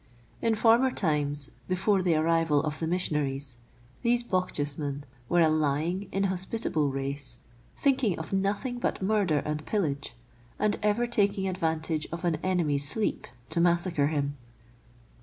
In former times, before the arrival of the missionaries, these Bochjesmen were a lying, inhospitable race, thinking of nothing but murder and pillage, and ever taking ad vantage of an enemy's sleep to massacre him.